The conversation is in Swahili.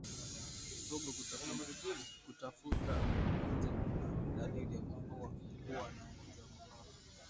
Mfugo kutafuta kivuli ni dalili ya kuwa na ugonjwa wa mapafu